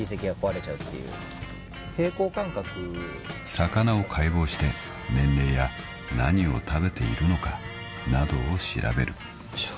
［魚を解剖して年齢や何を食べているのかなどを調べる］よいしょ。